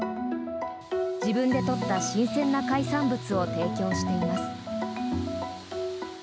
自分で取った新鮮な海産物を提供しています。